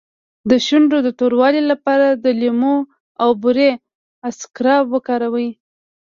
د شونډو د توروالي لپاره د لیمو او بورې اسکراب وکاروئ